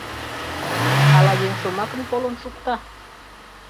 Ала еҥ шомакым колын шукта?..